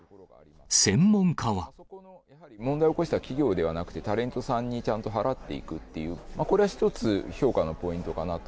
問題を起こした企業ではなくて、タレントさんにちゃんと払っていくっていう、これは一つ評価のポイントかなと。